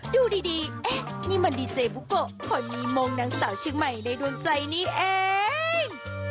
ดูดีนี่มันดีเซบุ๊กโกะขอนีมงด์นางสาวชื่อใหม่ในดวนใจนี้เอง